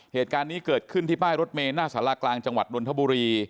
เหตุการณ์นี้เกิดขึ้นที่ป้ายรถเมลหน้าสารากลางจังหวัดนทบุรี